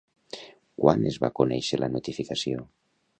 Quan es va conèixer la notificació?